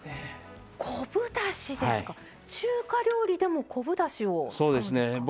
昆布だしですか中華料理でも昆布だしを使うんですか？